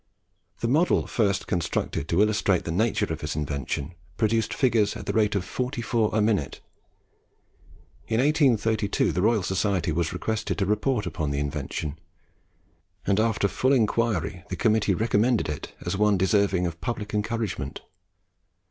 The model first constructed to illustrate the nature of his invention produced figures at the rate of 44 a minute. In 1823 the Royal Society was requested to report upon the invention, and after full inquiry the committee recommended it as one highly deserving of public encouragement.